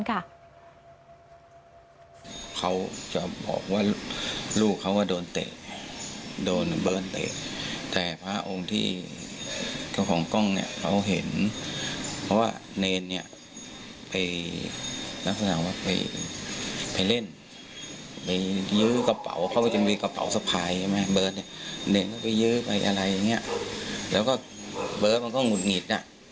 แล้วก็เบิร์ตมันก็หงุดหงิด